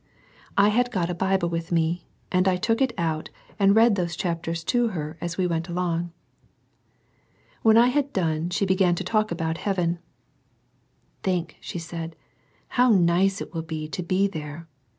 I had got a Bible with me, and I took it out and read these chapters to her as we went along. When I had done she began to talk about heaven. " Think," she said, " how nice it will be to be there